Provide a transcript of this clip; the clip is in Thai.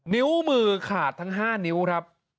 นิ้วมือขาดทั้ง๕นิ้วครับ